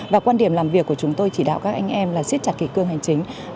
và quan điểm làm việc của chúng tôi chỉ đạo các anh em là siết chặt kỷ cương hành chính